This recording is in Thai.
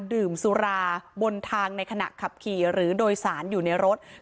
ดื่มสุราบนทางในขณะขับขี่หรือโดยสารอยู่ในรถ